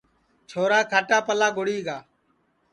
چھورا کھاٹاپلا گُڑی گا